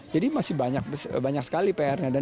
jadi masih banyak sekali pr nya